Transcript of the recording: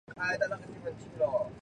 曾获中国国家科技进步一等奖。